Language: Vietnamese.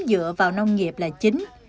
dựa vào nông nghiệp là chính